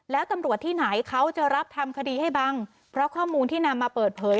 แล้วตำรวจที่ไหนเขาจะรับทำคดีให้บังเพราะข้อมูลที่นำมาเปิดเผย